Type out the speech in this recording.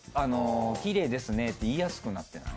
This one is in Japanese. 「きれいですね」って言いやすくなってない？